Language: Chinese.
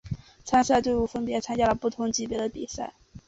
参赛队伍分别参加了不同级别的比赛。